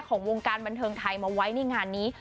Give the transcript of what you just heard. ของวงการบันเทิงไทยมาไว้ในงานนี้